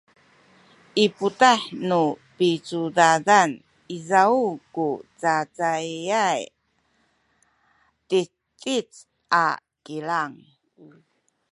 i putah nu picudadan izaw ku cacayay titic a kilang